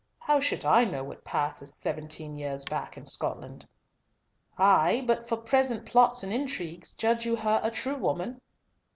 How should I know what hath passed seventeen years back in Scotland?" "Ay, but for present plots and intrigues, judge you her a true woman?"